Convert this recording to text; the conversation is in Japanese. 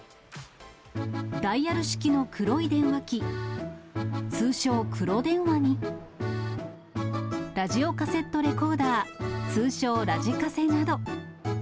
ダイヤル式の黒い電話機、通称、黒電話に、ラジオカセットレコーダー、通称、ラジカセなど。